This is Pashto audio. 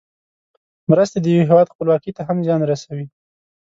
مرستې د یو هېواد خپلواکۍ ته هم زیان رسوي.